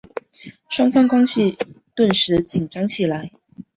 双方关系顿时紧张起来。